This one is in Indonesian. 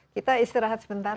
kita istirahat sebentar